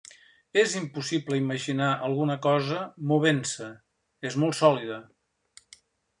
És impossible imaginar alguna cosa movent-se, és molt sòlida.